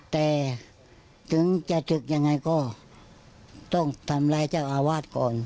แต่ถึงจะศึกยังไงก็ต้องทำร้ายเจ้าอาวาสก่อน